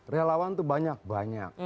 relawan itu banyak banyak